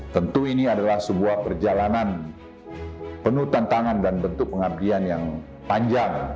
tentu ini adalah sebuah perjalanan penuh tantangan dan bentuk pengabdian yang panjang